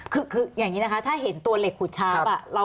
คืออย่างนี้นะคะถ้าเห็นตัวเหล็กขุดชาป่ะ